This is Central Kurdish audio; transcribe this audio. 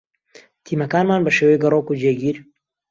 تیمەکانمان بە شێوەی گەڕۆک و جێگیر